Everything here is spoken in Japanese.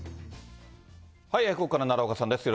ここから奈良岡さんです。